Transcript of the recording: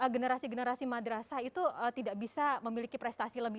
generasi generasi madrasah itu tidak bisa memiliki prestasi lebih